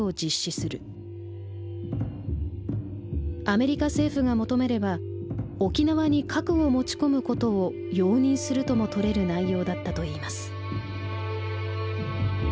アメリカ政府が求めれば「沖縄に核を持ち込むことを容認する」ともとれる内容だったといいます。